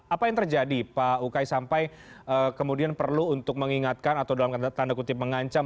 apa yang terjadi pak ukay sampai kemudian perlu untuk mengingatkan atau dalam tanda kutip mengancam